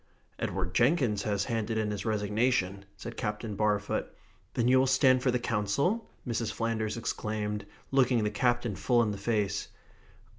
"Edward Jenkinson has handed in his resignation," said Captain Barfoot. "Then you will stand for the Council?" Mrs. Flanders exclaimed, looking the Captain full in the face.